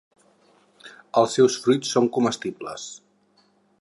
Els seus fruits són comestibles.